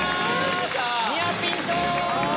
ニアピン賞！